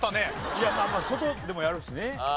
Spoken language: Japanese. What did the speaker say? いやまあまあ外でもやるしね。